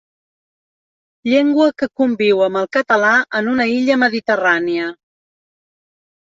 Llengua que conviu amb el català en una illa mediterrània.